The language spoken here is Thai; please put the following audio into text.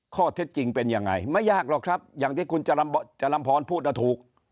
ข้อเท็จจริงเป็นยังไงไม่ยากหรอกครับอย่างที่คุณจรัมพรพูดถูก